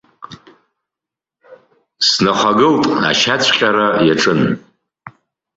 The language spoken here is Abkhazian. Снахагылт, ашьацәҟьара иаҿын.